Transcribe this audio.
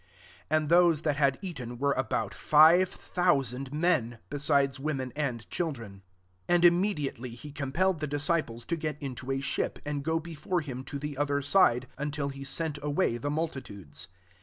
21 And those that had eaten were about five thousand men, besides women and chil dren. 22 And immediately he com pelled the disciples to get into a ship, and go before _him to the other side, until he sent away the multitudes.